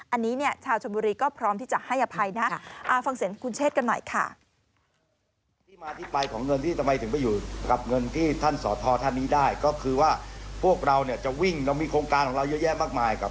อันนี้เนี่ยชาวชนบุรีก็พร้อมที่จะให้อภัยนะฟังเสียงคุณเชษกันหน่อยค่ะ